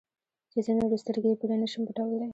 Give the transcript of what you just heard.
چې زه نور سترګې پرې نه شم پټولی.